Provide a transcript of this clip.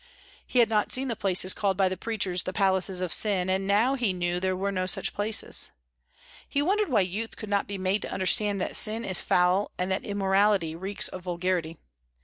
He had not seen the places called by the preachers the palaces of sin, and now he knew there were no such places. He wondered why youth could not be made to understand that sin is foul and that immorality reeks of vulgarity.